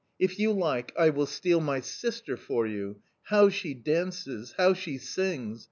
If you like, I will steal my sister for you! How she dances! How she sings!